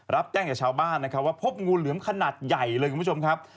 รับแจ้งจากชาวบ้านนะครับว่าพบงูเหลือมขนาดใหญ่เลยคุณผู้ชมครับ